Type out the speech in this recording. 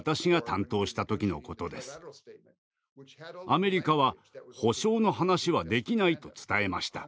アメリカは「保障」の話はできないと伝えました。